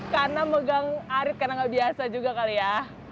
karena megang arit karena gak biasa juga kali ya